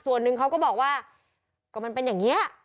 อาณูก็บอกว่าก็เป็นอย่างนี้